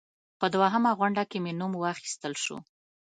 په دوهمه غونډه کې مې نوم واخیستل شو.